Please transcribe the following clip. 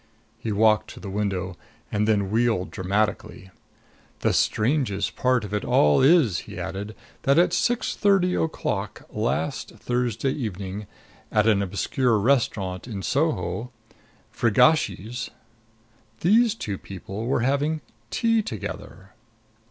He walked to the window and then wheeled dramatically. "The strangest part of it all is," he added, "that at six thirty o'clock last Thursday evening, at an obscure restaurant in Soho Frigacci's these two people were having tea together!"